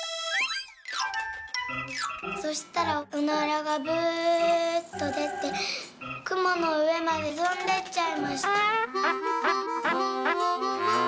「そしたらおならが『ブーッ』とでてくものうえまでとんでっちゃいました」。